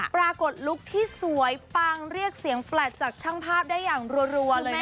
ปรากฏลุคที่สวยปังเรียกเสียงแฟลตจากช่างภาพได้อย่างรัวเลย